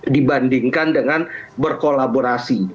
dibandingkan dengan berkolaborasi